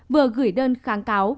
vừa gửi đơn kháng cáo